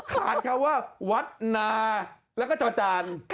คำว่าวัดนาแล้วก็จอจาน